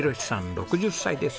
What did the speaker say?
６０歳です。